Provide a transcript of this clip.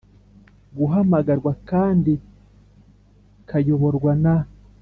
Gahamagarwa kandi kayoborwa na